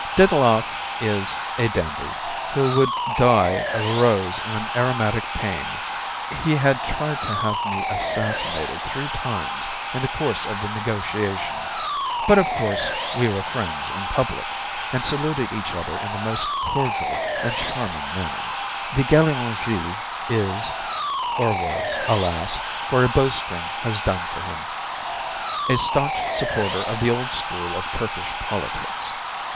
Diddloff is a dandy who would die of a rose in aromatic pain: he had tried to have me assassinated three times in the course of the negotiation; but of course we were friends in public, and saluted each other in the most cordial and charming manner. The Galeongee is or was, alas! for a bow string has done for him a staunch supporter of the old school of Turkish politics.